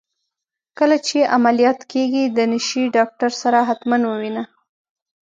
کله چي عمليات کيږې د نشې ډاکتر سره حتما ووينه.